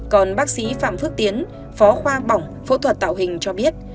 còn bác sĩ phạm phước tiến phó khoa bỏng phẫu thuật tạo hình cho biết